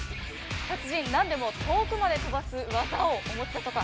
達人、なんでも遠くまで飛ばす技をお持ちだとか？